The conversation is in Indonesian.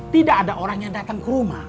tidak ada orang yang datang ke rumah